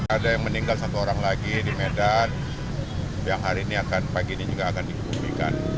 ada yang meninggal satu orang lagi di medan yang hari ini akan pagi ini juga akan dikebumikan